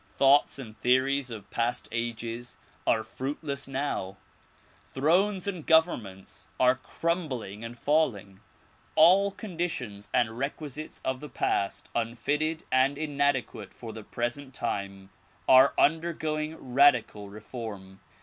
Thoughts and theories of past ages are fruitless now. Thrones and governments are crumbling and falling. All conditions and requisites of the past unfitted and inadequate for the present time, are undergoing radical reform.